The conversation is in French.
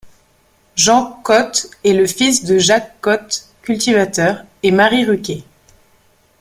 Jean Cot est le fils de Jacques Cot, cultivateur et Marie Ruquet.